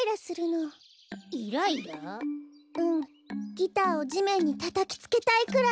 ギターをじめんにたたきつけたいくらい。